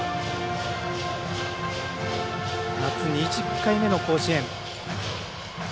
夏、２０回目の甲子園。